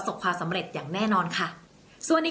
ส่งผลทำให้ดวงชะตาของชาวราศีมีนดีแบบสุดเลยนะคะ